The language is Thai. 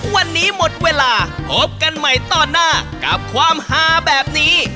วันนี้หมดเวลาพบกันใหม่ต่อหน้ากับความฮาแบบนี้